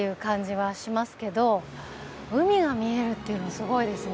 海が見えるっていうのすごいですね。